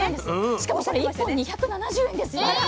しかもこれ１本２７０円ですから。